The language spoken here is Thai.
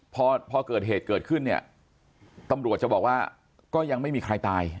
พอเกิดเหตุเกิดขึ้นเนี่ยตำรวจจะบอกว่าก็ยังไม่มีใครตาย